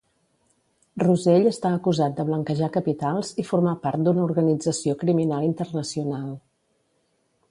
Rosell està acusat de blanquejar capitals i formar part d'una organització criminal internacional.